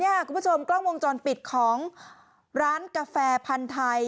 คุณผู้ชมกล้องวงจรปิดของร้านกาแฟพันธุ์ไทย